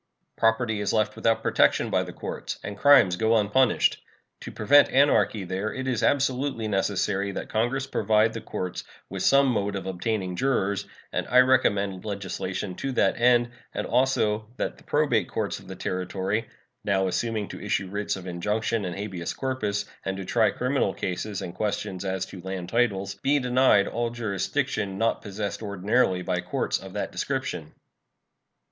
Property is left without protection by the courts, and crimes go unpunished. To prevent anarchy there it is absolutely necessary that Congress provide the courts with some mode of obtaining jurors, and I recommend legislation to that end, and also that the probate courts of the Territory, now assuming to issue writs of injunction and habeas corpus and to try criminal cases and questions as to land titles, be denied all jurisdiction not possessed ordinarily by courts of that description.